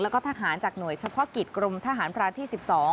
แล้วก็ทหารจากหน่วยเฉพาะกิจกรมทหารพรานที่๑๒